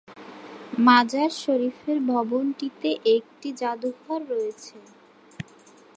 মাজার শরীফের ভবনটিতে একটি জাদুঘর রয়েছে।